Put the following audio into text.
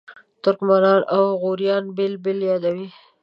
ترکمنان او غوریان بېل بېل یادوي.